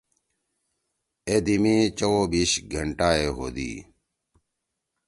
اے دی می چؤ او بیِش گھنٹائے ہودی۔